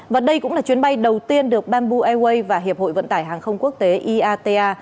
và đây cũng là chuyến bay đầu tiên được bamboo airways và hiệp hội vận tải hàng không quốc tế iata